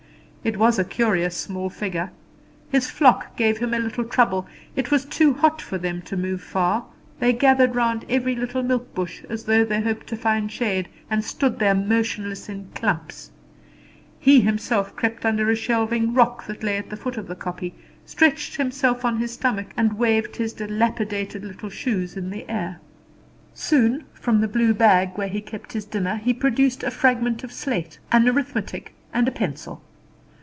It was a curious small figure. His flock gave him little trouble. It was too hot for them to move far; they gathered round every little milk bush, as though they hoped to find shade, and stood there motionless in clumps. He himself crept under a shelving rock that lay at the foot of the kopje, stretched himself on his stomach, and waved his dilapidated little shoes in the air. Soon, from the blue bag where he kept his dinner, he produced a fragment of slate, an arithmetic, and a pencil.